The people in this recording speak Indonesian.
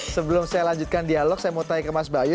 sebelum saya lanjutkan dialog saya mau tanya ke mas bayu